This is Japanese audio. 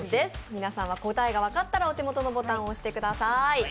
皆さん答えが分かったらボタンを押してください。